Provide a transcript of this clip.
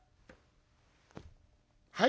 「はい？」。